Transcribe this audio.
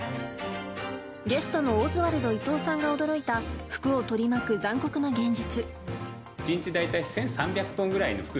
ゲストのオズワルド伊藤さんが驚いた服を取り巻く残酷な現実。